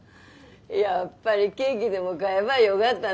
やっぱりケーキでも買えばよがったね。